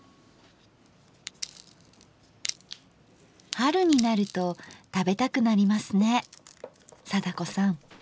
春になると食べたくなりますね貞子さん。